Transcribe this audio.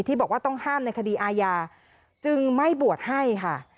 บอกว่าต้องห้ามในคดีอาญาจึงไม่บวชให้ค่ะ